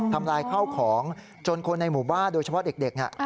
ทำลายข้าวของจนคนในหมู่บ้านโดยเฉพาะเด็ก